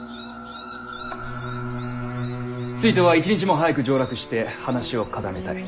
ついては一日も早く上洛して話を固めたい。